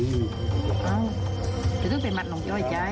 เดี๋ยวถึงไปหมัดน้องจ้อยใจ